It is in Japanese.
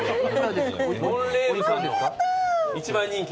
モンレーヴさん一番人気？